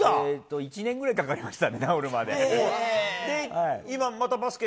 １年ぐらいかかりましたね、えー？